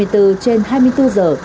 hai mươi bốn trên hai mươi bốn giờ